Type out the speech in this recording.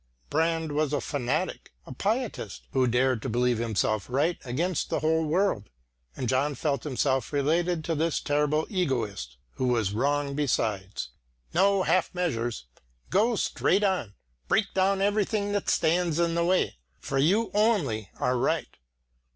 Brand was a fanatic, a pietist, who dared to believe himself right against the whole world, and John felt himself related to this terrible egoist who was wrong besides. No half measures! go straight on; break down everything that stands in the way, for you only are right!